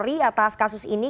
terima kasih atas kasus ini